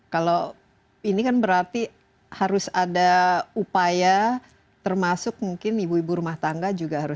kalau ini kan berarti harus ada upaya termasuk mungkin ibu ibu rumah tangga juga harus